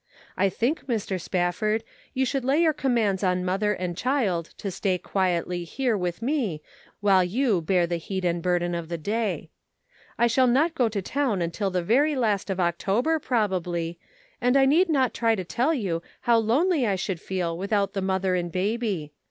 I think, Mr. Spafford, you should lay your commands on mother and child to stay quietly here with me while you bear the heat and burden of the day. I shall not go to town until the very last of October, probably, and I need not try to tell you how lonely I should feel without the mother and baby.